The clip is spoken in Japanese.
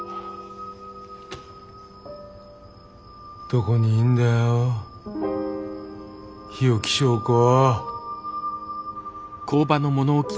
どこにいんだよ日置昭子。